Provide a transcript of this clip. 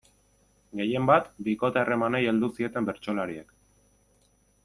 Gehienbat, bikote-harremanei heldu zieten bertsolariek.